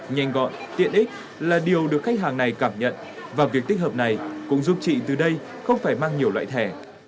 nhanh gọn tiện ích là điều được khách hàng này cảm nhận và việc tích hợp này cũng giúp chị từ đây không phải mang nhiều loại thẻ